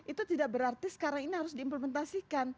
itu tidak berarti sekarang ini harus diimplementasikan